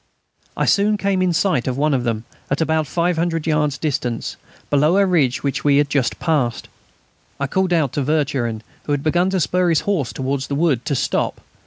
I soon came in sight of one of them, at about 500 yards distance, below a ridge which we had just passed. I called out to Vercherin, who had begun to spur his horse towards the wood, to stop.